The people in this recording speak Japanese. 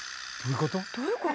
⁉どういうこと？